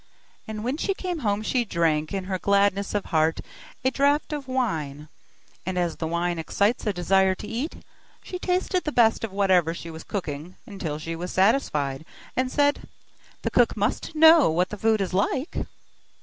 And when she came home she drank, in her gladness of heart, a draught of wine, and as wine excites a desire to eat, she tasted the best of whatever she was cooking until she was satisfied, and said: 'The cook must know what the food is like.